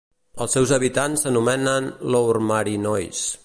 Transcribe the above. Els seus habitants s'anomenen "Lourmarinois".